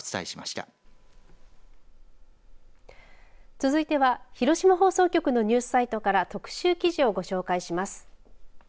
続いては広島放送局のニュースサイトから特集記事をご紹介します。